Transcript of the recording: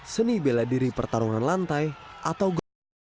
seni bela diri pertarungan lantai atau golput